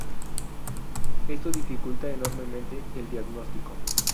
Esto dificulta enormemente el diagnóstico.